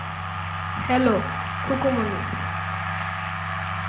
Hello, Khukumoni.